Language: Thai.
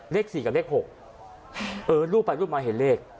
เลข๔กับเลข๖เออรูปไปรูปมาเห็นเลข